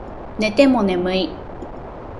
寝ても眠い